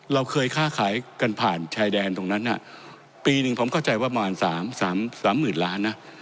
เราเคยค้าขายกันผ่านชายแดนตรงนั้นปีหนึ่งผมเข้าใจว่าประมาณสามสามหมื่นล้านนะ